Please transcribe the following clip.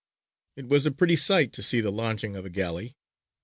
It was a pretty sight to see the launching of a galley.